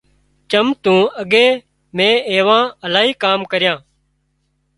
چم تو اڳي مين ايوان الاهي ڪام ڪريان